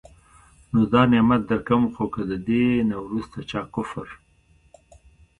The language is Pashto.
نو دا نعمت درکوم، خو که د دي نه وروسته چا کفر